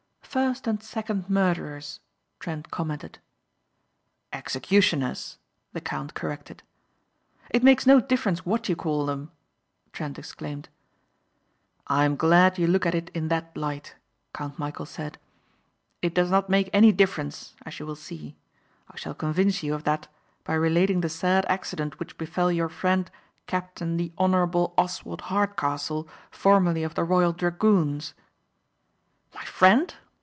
"First and second murderers," Trent commented. "Executioners," the count corrected. "It makes no difference what you call them," Trent exclaimed. "I am glad you look at it in that light," Count Michæl said, "It does not make any difference as you will see. I shall convince you of that by relating the sad accident which befell your friend Captain the Honourable Oswald Hardcastle, formerly of the Royal Dragoons." "My friend?"